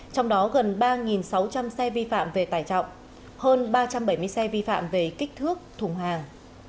trong đó gần ba sáu trăm linh xe vi phạm về tải trọng hơn ba trăm bảy mươi xe vi phạm về kích thước thùng hàng